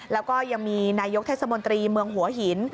แล้วก็ยังมีนายกเทศมนตรีเมืองหัวหิน